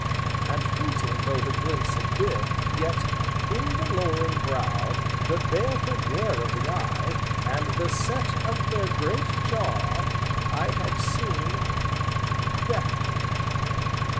And, fleeting though the glimpse had been, yet, in the lowering brow, the baleful glare of the eye, and the set of the great jaw, I had seen Death.